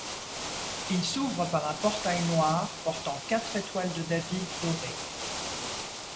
Il s'ouvre par un portail noir portant quatre étoiles de David dorées.